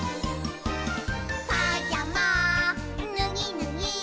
「パジャマぬぎぬぎ」